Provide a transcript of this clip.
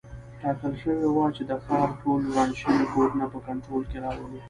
ټاکل شوي وه چې د ښار ټول وران شوي کورونه په کنټرول کې راولو.